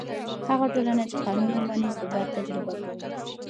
هغه ټولنه چې قانون ومني، ثبات تجربه کوي.